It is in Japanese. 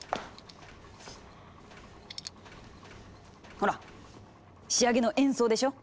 ほら仕上げの演奏でしょ！